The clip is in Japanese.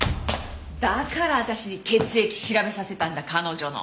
だから私に血液調べさせたんだ彼女の。